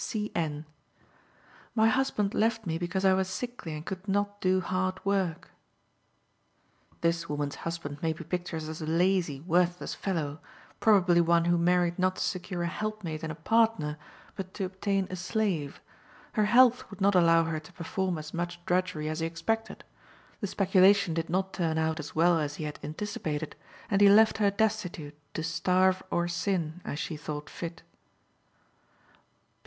C. N.: "My husband left me because I was sickly and could not do hard work." This woman's husband may be pictured as a lazy, worthless fellow; probably one who married not to secure a helpmate and a partner, but to obtain a slave. Her health would not allow her to perform as much drudgery as he expected; the speculation did not turn out as well as he had anticipated, and he left her destitute, to starve or sin, as she thought fit.